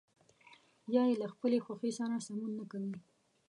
یا يې له خپلې خوښې سره سمون نه کوي.